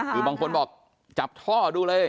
คือบางคนบอกจับท่อดูเลย